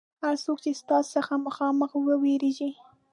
هر څوک چې ستا څخه مخامخ وېرېږي.